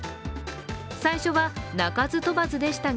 最初は鳴かず飛ばずでしたが